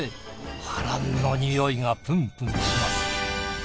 波乱のにおいがプンプンします。